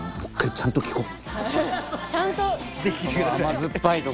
ちゃんと聞こう。